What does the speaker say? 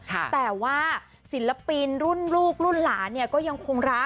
แต่ว่าศิลปินรุ่นลูกรุ่นหลานเนี่ยก็ยังคงรัก